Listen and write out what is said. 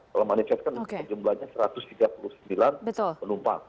kalau manifest kan jumlahnya satu ratus tiga puluh sembilan penumpang